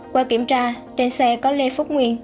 qua kiểm tra trên xe có lê phúc nguyên